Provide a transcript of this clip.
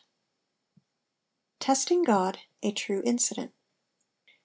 _ *Testing God* *A TRUE INCIDENT.